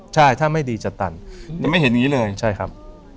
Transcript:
ใช่ถ้าไม่ดีจะตันยังไม่เห็นอย่างนี้เลยใช่ครับ